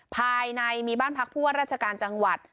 ภายในมีบ้านพักผู้ว่าราชการจังหวัด